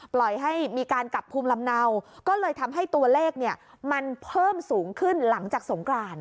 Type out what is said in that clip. ปล่อยให้มีการกลับภูมิลำเนาก็เลยทำให้ตัวเลขเนี่ยมันเพิ่มสูงขึ้นหลังจากสงกราน